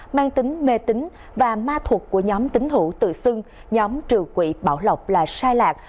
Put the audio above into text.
mang tính mê tính và ma thuật của nhóm tín thủ tự xưng nhóm trừ quỵ bảo lộc là sai lạc